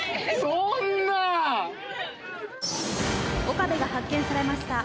岡部が発見されました。